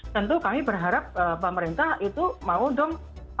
tentu kami berharap pemerintah itu mau dong